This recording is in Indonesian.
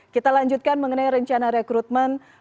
kita lanjutkan mengenai rencana rekrutmen